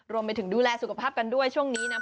รวมไปถึงดูแลสุขภาพกันด้วยช่วงนี้นะ